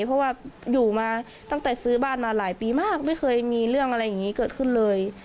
เพราะว่าอยู่มาตั้งแต่ซื้อบ้านมาหลายปีมากไม่เคยมีเรื่องอะไรอย่างนี้เกิดขึ้นเลย